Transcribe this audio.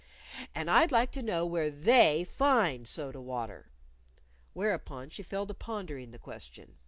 "And I'd like to know where 'They' find soda water." Whereupon she fell to pondering the question.